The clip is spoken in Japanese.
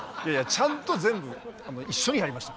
ちゃんと全部一緒にやりましたから。